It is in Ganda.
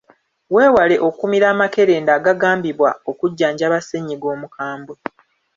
Weewale okumira amakerenda agagambibwa okujjanjaba ssennyiga omukambwe.